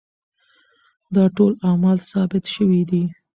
دا ټول اعمال ثابت شوي دي.